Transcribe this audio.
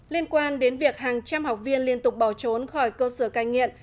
liên quan đến việc hàng trăm học viên liên tục bỏ trốn khỏi cơ sở cai nghiện